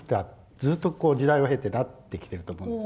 ずっとこう時代を経てなってきてると思うんです。